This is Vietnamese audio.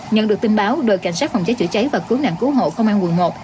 nhận được tin báo đội cảnh sát phòng cháy chữa cháy và cứu nạn cứu hộ công an quận một